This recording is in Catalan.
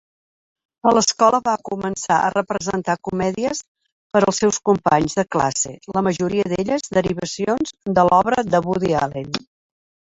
A l'escola va començar a representar comèdies per als seus companys de classe, la majoria d'elles derivacions de l'obra de Woody Allen.